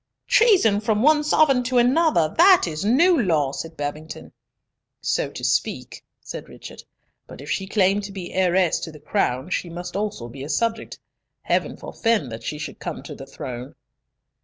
"Treason from one sovereign to another, that is new law!" said Babington. "So to speak," said Richard; "but if she claim to be heiress to the crown, she must also be a subject. Heaven forefend that she should come to the throne!"